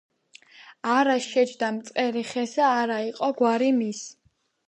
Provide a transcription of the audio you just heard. არა შეჯდა მწყერი ხესა, არა იყო გვარი მის